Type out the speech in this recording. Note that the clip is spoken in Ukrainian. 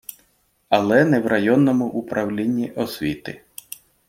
Але не в районному управлінні освіти.